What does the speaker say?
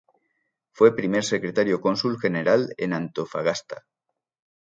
Fue Primer Secretario-Cónsul General en Antofagasta.